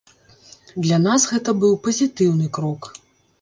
Для нас гэта быў пазітыўны крок.